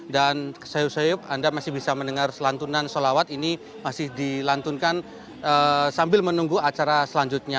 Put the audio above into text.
dan anda masih bisa mendengar selantunan solawat ini masih dilantunkan sambil menunggu acara selanjutnya